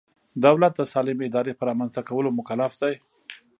دولت د سالمې ادارې په رامنځته کولو مکلف دی.